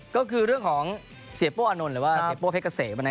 ก็คือเรื่องของเสียบบ๊อกแอนนนท์หรือว่าเสียบบบ๊อกเป๊กเกษม